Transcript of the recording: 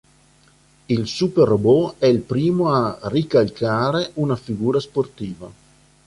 Il Super Robot è il primo a "ricalcare" una figura sportiva.